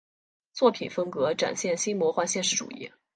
作品风格展现新魔幻现实主义。